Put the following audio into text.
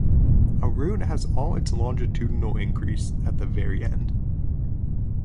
A root has all its longitudinal Increase at the very end.